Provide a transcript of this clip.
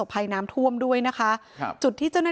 เพราะมีขโมยขโจนเข้ามา